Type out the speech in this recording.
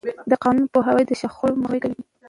د قانون پوهاوی د شخړو مخنیوی کوي.